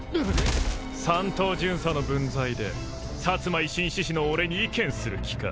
三等巡査の分際で薩摩維新志士の俺に意見する気か？